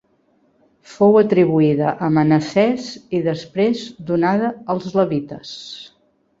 Fou atribuïda a Manassès i després donada als levites.